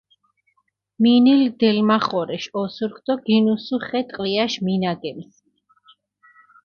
მინილჷ დელმახორეშ ოსურქ დო გინუსუ ხე ტყვიაშ მინაგემს.